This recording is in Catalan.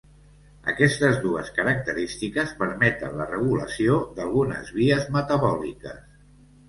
Aquestes dues característiques permeten la regulació d'algunes vies metabòliques.